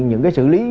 những cái sử lý